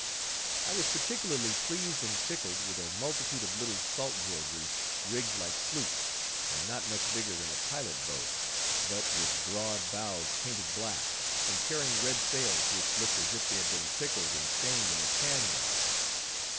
I was particularly pleased and tickled, with a multitude of little salt droghers, rigged like sloops, and not much bigger than a pilot boat, but with broad bows painted black, and carrying red sails, which looked as if they had been pickled and stained in a tan yard.